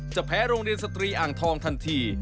แพ้โรงเรียนสตรีอ่างทองทันที